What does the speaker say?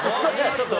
ちょっと。